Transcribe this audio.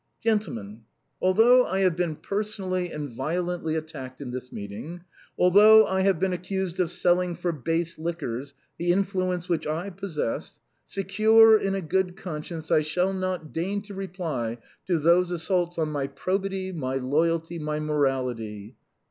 " Gentlemen ! although I have been personally and vie A BOHEMIAN " AT HOME." 14l lently attacked in this meeting; although I have been ac cused of selling for base liquors the influence which I possess; secure in a good conscience I shall not deign to reply to those assaults on my probity, my loyalty, my mo rality.